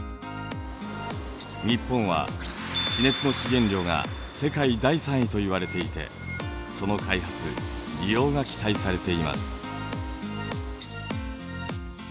日本は地熱の資源量が世界第３位といわれていてその開発利用が期待されています。